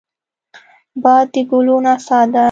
باد د ګلو نڅا ده